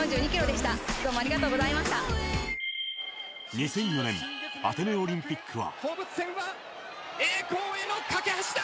２００４年アテネオリンピックは。